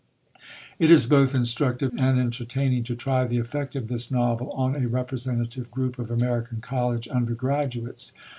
It is both instructive and entertaining to try the effect of this novel on a representative group of American college undergraduates.